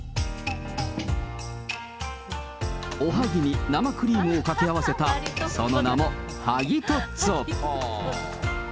おはぎに生クリームを掛け合わせた、その名もはぎトッツォ。